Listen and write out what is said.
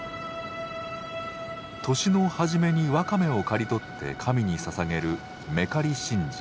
年の初めにわかめを刈り取って神にささげる和布刈神事。